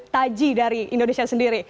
tajih dari indonesia sendiri